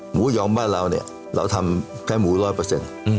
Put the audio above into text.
หมูยอมบ้านเราเนี่ยเราทำแค่หมูร้อยเปอร์เซ็นต์